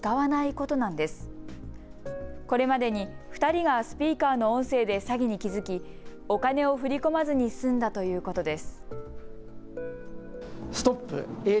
これまでに２人がスピーカーの音声で詐欺に気付き、お金を振り込まずに済んだということです。